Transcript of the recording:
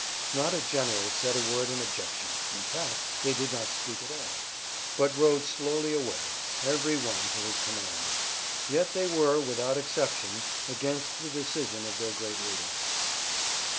Not a general said a word in objection, in fact, they did not speak at all, but rode slowly away, every one to his command. Yet they were, without exception, against the decision of their great leader.